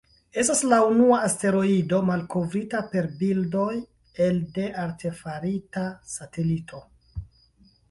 Estas la unua asteroido malkovrita per bildoj elde artefarita satelito.